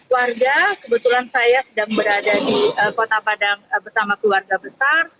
warga kebetulan saya sedang berada di kota padang bersama keluarga besar